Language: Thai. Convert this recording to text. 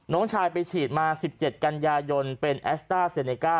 น้องชายไปฉีดมา๑๗กันยายนเป็นแอสต้าเซเนก้า